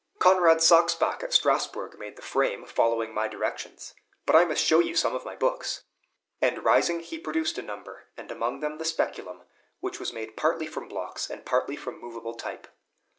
"Conrad Sachspach, at Strasbourg, made the frame, following my directions. But I must show you some of my books;" and, rising, he produced a number, and among them the "Speculum," which was made partly from blocks and partly from movable type.